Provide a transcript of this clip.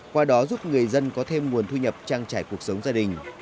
qua đó giúp người dân có thêm nguồn thu nhập trang trải cuộc sống gia đình